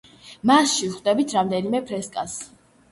მასში ვხვდებით რამდენიმე ფრესკას.